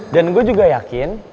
dan gue juga yakin